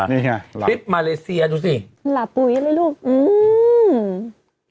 นี่ไงคลิปมาเลเซียดูสิหลาปุ๋ยเลยลูกอืม